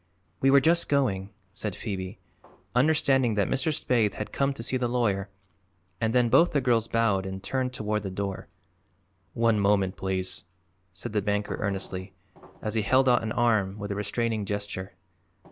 "We were just going," said Phoebe, understanding that Mr. Spaythe had come to see the lawyer, and then both the girls bowed and turned toward the door. "One moment, please," said the banker earnestly, as he held out an arm with a restraining gesture.